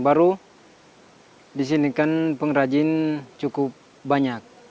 baru di sini kan pengrajin cukup banyak